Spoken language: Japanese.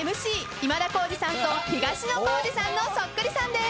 今田耕司さんと東野幸治さんのそっくりさんです。